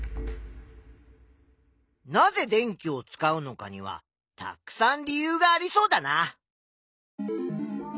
なぜ電気を使うのかにはたくさん理由がありそうだな。